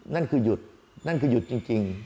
นั่นคือหยุดนั่นคือหยุดจริง